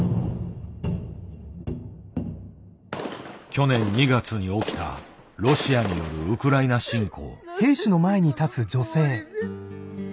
去年２月に起きたロシアによるウクライナ侵攻。